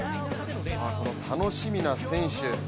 楽しみな選手